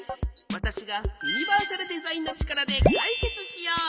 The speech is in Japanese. わたしがユニバーサルデザインのちからでかいけつしよう。